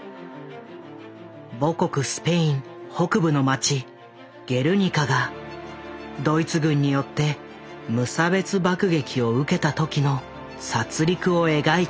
母国スペイン北部の街ゲルニカがドイツ軍によって無差別爆撃を受けた時の殺りくを描いた大作だ。